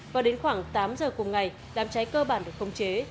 và đến khoảng tám giờ cùng ngày đám cháy cơ bản được khống chế